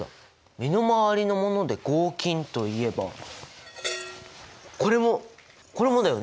身の回りのもので合金といえばこれもこれもだよね？